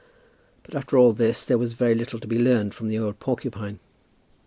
But after all this, there was very little to be learned from the old porcupine.